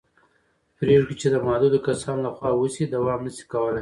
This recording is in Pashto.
پرېکړې چې د محدودو کسانو له خوا وشي دوام نه شي کولی